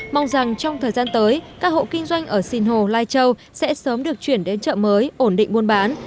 mong rằng trong thời gian tới các hộ kinh doanh ở sinh hồ lai châu sẽ sớm được chuyển đến chợ mới ổn định muôn bán